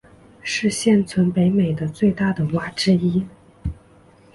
是现存北美的最大的蛙之一。